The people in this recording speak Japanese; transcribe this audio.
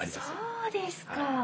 そうですか。